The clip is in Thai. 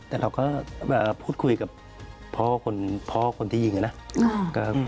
แต่เราก็พูดคุยกับพ่อคนที่ยิงนะ